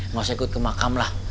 nggak usah ikut ke makam lah